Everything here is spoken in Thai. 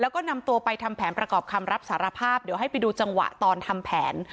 แล้วก็นำตัวไปทำแผนประกอบคำรับสารภาพเดี๋ยวให้ไปดูจังหวะตอนทำแผน